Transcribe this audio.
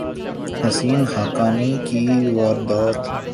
حسین حقانی کی واردات